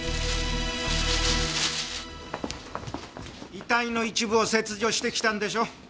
遺体の一部を切除してきたんでしょ？